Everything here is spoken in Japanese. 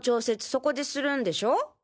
そこでするんでしょ？